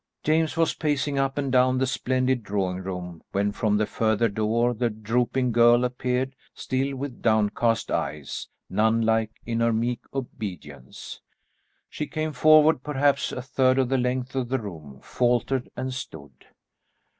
James was pacing up and down the splendid drawing room when, from the further door the drooping girl appeared, still with downcast eyes, nun like in her meek obedience. She came forward perhaps a third the length of the room, faltered, and stood.